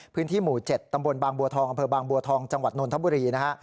พื้นที่หมู่๗ตำบลบางบัวทองอำเภอบางบัวทองจังหวัดนนทบุรีนะฮะ